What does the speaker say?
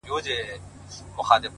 وخت د هوښیارانو ملګری دی،